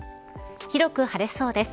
広く晴れそうです。